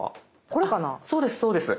そうですそうです。